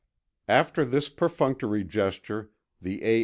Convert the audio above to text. After this perfunctory gesture, the A.